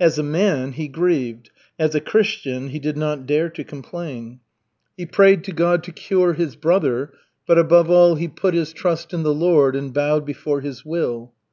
As a man he grieved; as a Christian he did not dare to complain. He prayed to God to cure his brother, but above all he put his trust in the Lord and bowed before His will.